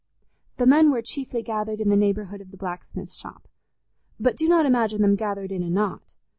The men were chiefly gathered in the neighbourhood of the blacksmith's shop. But do not imagine them gathered in a knot.